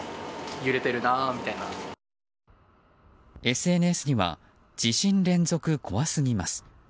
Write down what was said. ＳＮＳには地震連続怖すぎます。